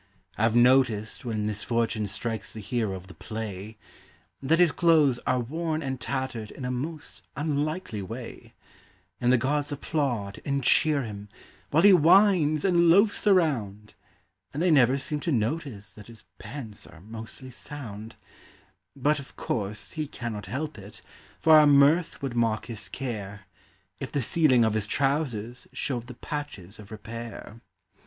I have noticed when misfortune strikes the hero of the play That his clothes are worn and tattered in a most unlikely way ; And the gods applaud and cheer him while he whines and loafs around, But they never seem to notice that his pants are mostly sound ; Yet, of course, he cannot help it, for our mirth would mock his care If the ceiling of his trousers showed the patches of repair.